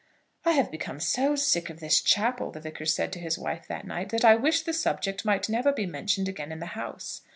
"I have become so sick of this chapel," the Vicar said to his wife that night, "that I wish the subject might never be mentioned again in the house."